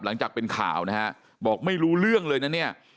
หลังจากเป็นข่าวบอกไม่รู้เรื่องเลยนะ